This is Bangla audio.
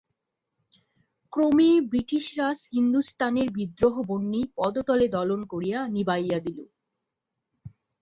ক্রমে ব্রিটিশরাজ হিন্দুস্থানের বিদ্রোহবহ্নি পদতলে দলন করিয়া নিবাইয়া দিল।